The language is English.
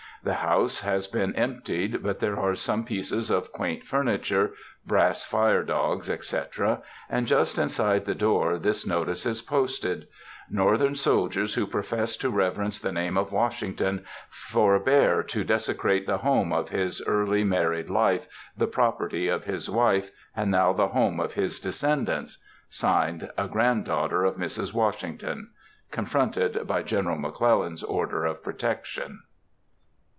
The house has been emptied, but there are some pieces of quaint furniture, brass fire dogs, &c., and just inside the door this notice is posted: "Northern soldiers who profess to reverence the name of Washington, forbear to desecrate the home of his early married life, the property of his wife, and now the home of his descendants"; signed, "A Granddaughter of Mrs. Washington"; confronted by Gen. McClellan's order of protection.